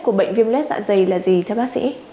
của bệnh viêm lết dạ dày là gì theo bác sĩ